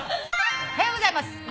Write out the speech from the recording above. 「おはようございます」